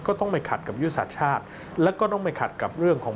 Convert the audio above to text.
ต้องไปขัดกับยุทธศาสตร์ชาติแล้วก็ต้องไปขัดกับเรื่องของ